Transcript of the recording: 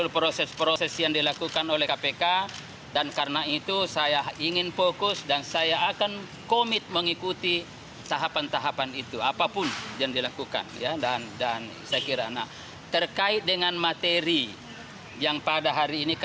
pertama kali saya dipanggil sebagai tersangka